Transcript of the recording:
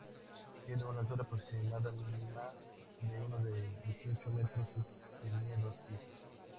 Tiene una altura aproximada de unos dieciocho metros y tenía dos pisos.